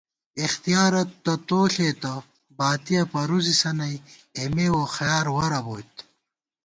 اِختِیارہ تہ تو ݪېتہ، باتِیَہ پرُوزِسہ نئ، اېمے ووخَیار وَرہ بوئیت